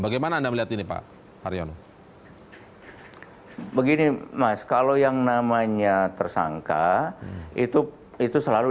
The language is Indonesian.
bagaimana anda melihat ini pak haryono begini mas kalau yang namanya tersangka itu itu selalu